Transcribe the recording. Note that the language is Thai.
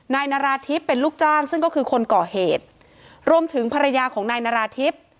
นายนาราธิบเป็นลูกจ้างซึ่งก็คือคนก่อเหตุรวมถึงภรรยาของนายนาราธิบ